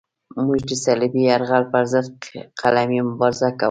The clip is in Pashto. موږ د صلیبي یرغل پرضد قلمي مبارزه کوله.